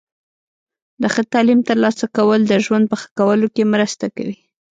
د ښه تعلیم ترلاسه کول د ژوند په ښه کولو کې مرسته کوي.